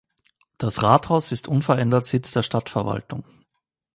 Das Rathaus ist unverändert Sitz der Stadtverwaltung.